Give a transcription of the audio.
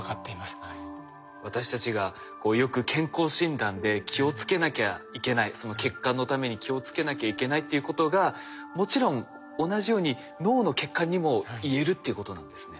私たちがよく健康診断で気をつけなきゃいけない血管のために気をつけなきゃいけないということがもちろん同じように脳の血管にもいえるっていうことなんですね。